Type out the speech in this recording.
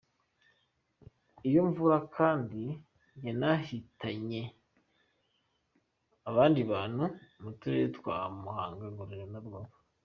Iyo mvura kandi yanahitanye abandi bantu mu Turere twa Muhanga, Ngororero na Rubavu.